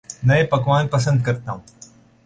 نئے پکوان پسند کرتا ہوں